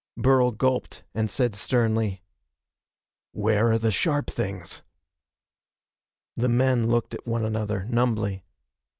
Burl gulped and said sternly: "Where are the sharp things?" The men looked at one another, numbly.